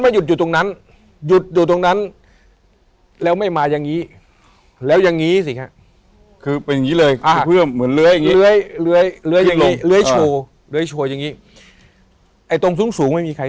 มันไม่อย่างนั้นสิ